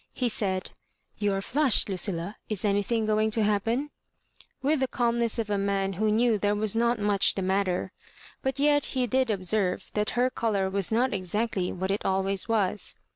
He said, " You are flushed, Lucilla ? is anything going to happen ?" with the calmness of a man who knew there was not much the matter — but yet he did observe that her colour was not exactly what it always was.